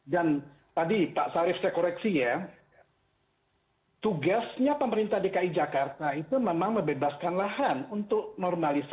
dan tadi pak sarif saya koreksi ya tugasnya pemerintah dki jakarta itu memang mebebaskan lahan untuk normalisasi